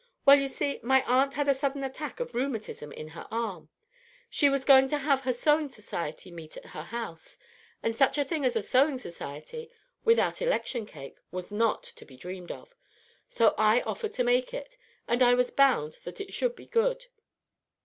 "Well, you see, my aunt had a sudden attack of rheumatism in her arm. She was going to have the sewing society meet at her house; and such a thing as a sewing society without Election cake was not to be dreamed of. So I offered to make it; and I was bound that it should be good.